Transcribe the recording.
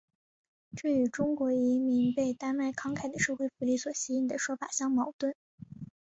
这与中国移民被丹麦慷慨的社会福利所吸引的说法相矛盾。